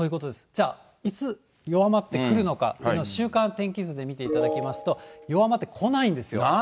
じゃあ、いつ弱まってくるのかというのを週間天気図で見ていただきますと、何？